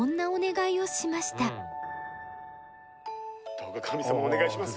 どうか神様お願いします。